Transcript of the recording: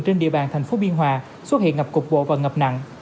trên địa bàn thành phố biên hòa xuất hiện ngập cục bộ và ngập nặng